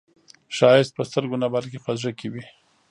ښایست په سترګو نه، بلکې په زړه کې وي